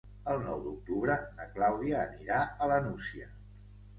El nou d'octubre na Clàudia anirà a la Nucia.